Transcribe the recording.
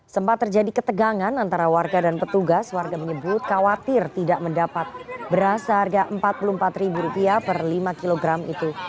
sempat terjadi ketegangan antara warga dan petugas warga menyebut khawatir tidak mendapat beras seharga rp empat puluh empat per lima kilogram itu